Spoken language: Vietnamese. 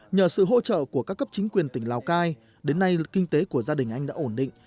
nhờ sự hỗ trợ của các cấp chính quyền tỉnh lào cai đến nay lực kinh tế của gia đình anh đã ổn định